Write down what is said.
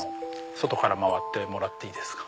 外から回ってもらっていいですか。